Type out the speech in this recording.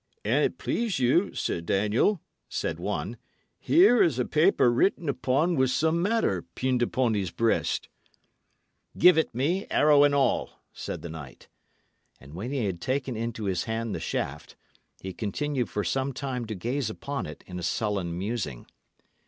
"An't please you, Sir Daniel," said one, "here is a paper written upon with some matter, pinned upon his breast." "Give it me, arrow and all," said the knight. And when he had taken into his hand the shaft, he continued for some time to gaze upon it in a sullen musing.